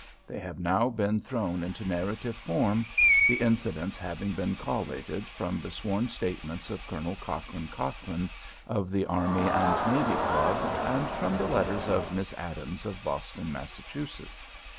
They have now been thrown into narrative form, the incidents having been collated from the sworn statements of Colonel Cochrane Cochrane, of the Army and Navy Club, and from the letters of Miss Adams, of Boston, Mass.